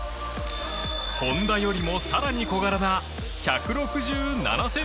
本多よりも更に小柄な１６７ｃｍ。